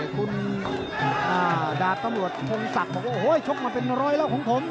คุณดาร์ดตำรวจฮงศักดิ์บอกโอ้โห้ยชกมาเป็นร้อยแล้วฮง